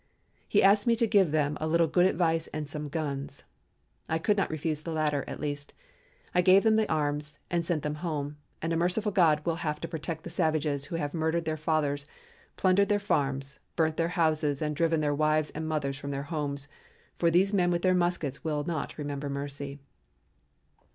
He asked me to give them a little good advice and some guns. I could not refuse the latter, at least. I gave them the arms and sent them home, and a merciful God will have to protect the savages who have murdered their fathers, plundered their farms, burnt their houses, and driven their wives and mothers from their homes, for these men with their muskets will not remember mercy.